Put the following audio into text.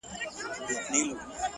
• کشکي ټول وجود مي یو شان ښکارېدلای ,